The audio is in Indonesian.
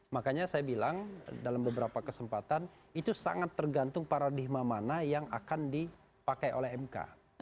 makanya saya bilang dalam beberapa kesempatan itu sangat tergantung paradigma mana yang akan dipakai oleh mk